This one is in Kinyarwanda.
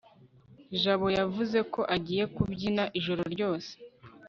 jabo yavuze ko agiye kubyina ijoro ryose